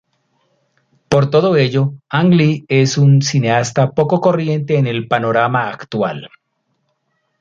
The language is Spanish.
Por todo ello, Ang Lee es un cineasta poco corriente en el panorama actual.